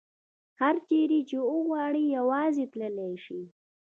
هر چیرې چې وغواړي یوازې تللې شي.